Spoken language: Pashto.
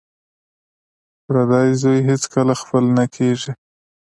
پردی زوی هېڅکله خپل نه کیږي